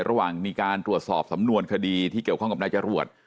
ระหว่างมีการตรวจสอบสำนวนคดีที่เกี่ยวข้องกับนายจรวด